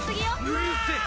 うるせえ！